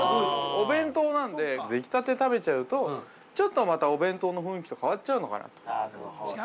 ◆お弁当なんでできたて食べちゃうと、ちょっとまた、お弁当の雰囲気と変わっちゃうのかなと。